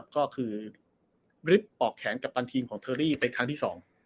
ก็คือริปปอกแขนกับบันทีมของเทอรี่เป็นครั้งที่๒